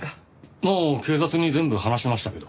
もう警察に全部話しましたけど。